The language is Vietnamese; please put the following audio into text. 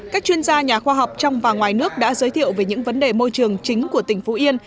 các chuyên gia nhà khoa học trong và ngoài nước đã giới thiệu về những vấn đề môi trường chính của tỉnh phú yên